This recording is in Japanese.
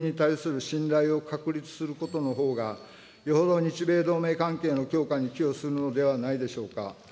米国に過度に遠慮するより、日本国民の米軍に対する信頼を確立することのほうが、よほど日米同盟関係の強化に寄与するのではないでしょうか。